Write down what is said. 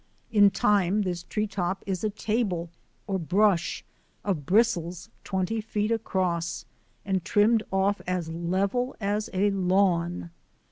In time this tree top is a table or brush of bristles twenty feet across, and trimmed off as level as a lawn.